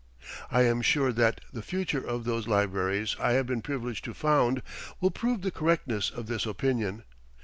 I am sure that the future of those libraries I have been privileged to found will prove the correctness of this opinion.